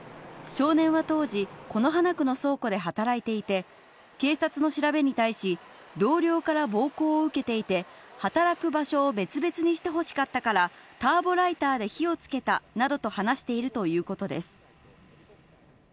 少年は当時、此花区の倉庫で働いていて、警察の調べに対し、同僚から暴行を受けていて、働く場所を別々にしてほしかったから、ターボライターで火をつけたなどと話しているということです。